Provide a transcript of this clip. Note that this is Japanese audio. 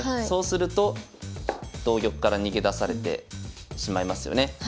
そうすると同玉から逃げ出されてしまいますよね。